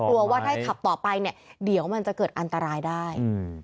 หรือว่าถ้าขับต่อไปเดี๋ยวมันจะเกิดอันตรายได้